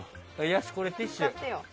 ヤス、これティッシュ。